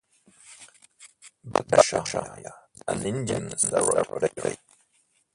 Bhattacharya is an Indian Sarod player.